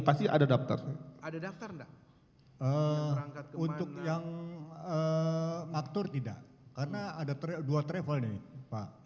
pasti ada daftar ada daftar enggak untuk yang maktur tidak karena ada dua travel nih pak